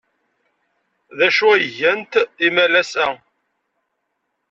D acu ay gant imalas-a?